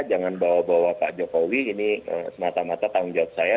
jangan bawa bawa pak jokowi ini semata mata tanggung jawab saya